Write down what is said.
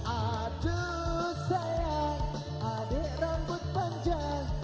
aduh sayang adik rambut panjang